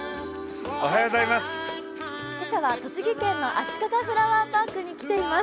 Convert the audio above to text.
今朝は栃木県のあしかがフラワーパークに来ています。